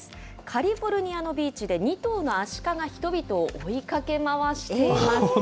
カリフォルニアのビーチで２頭のアシカが人々を追いかけ回しています。